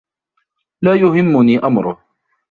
لا يهمني أمره.